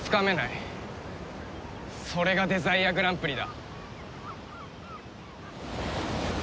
それがデザイアグランプリだ。